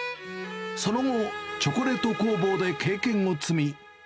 その後、チョコレート工房で経験を積み。